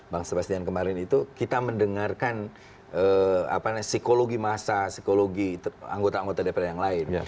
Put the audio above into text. bang sebastian kemarin itu kita mendengarkan psikologi massa psikologi anggota anggota dpr yang lain